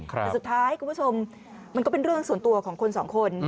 แต่สุดท้ายคุณผู้ชมมันก็เป็นเรื่องส่วนตัวของคนสองคน